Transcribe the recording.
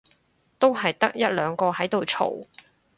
都係得一兩個喺度嘈